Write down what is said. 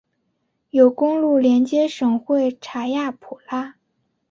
有公路连接省会查亚普拉。